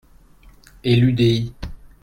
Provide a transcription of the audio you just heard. Et l’UDI.